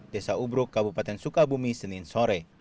desa ubruk kabupaten sukabumi senin sore